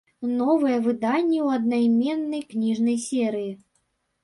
Новыя выданні ў аднайменнай кніжнай серыі.